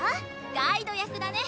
ガイド役だね。